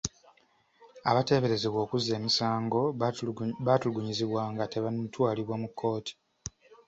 Abateeberezebwa okuzza emisango baatulugunyizibwa nga tebannatwalibwa mu kkooti.